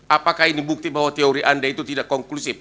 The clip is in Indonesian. apakah ini bukti bahwa teori anda itu tidak konklusif